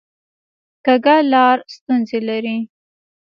کوږه لار ستونزې لري